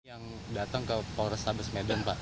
yang datang ke polres tabes medan pak